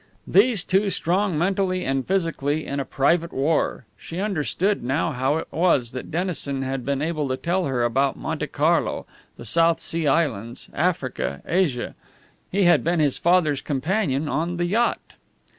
These two, strong mentally and physically, in a private war! She understood now how it was that Dennison had been able to tell her about Monte Carlo, the South Sea Islands, Africa, Asia; he had been his father's companion on the yacht.